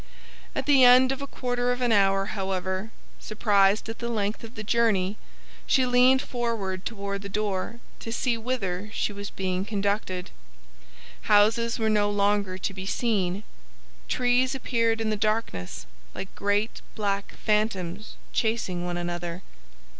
At the end of a quarter of an hour, however, surprised at the length of the journey, she leaned forward toward the door to see whither she was being conducted. Houses were no longer to be seen; trees appeared in the darkness like great black phantoms chasing one another.